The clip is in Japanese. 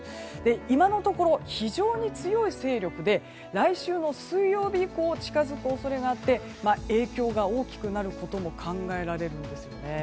今のところ、非常に強い勢力で来週の水曜日以降近づく恐れがあって影響が大きくなることも考えられるんです。